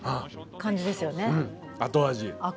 後味。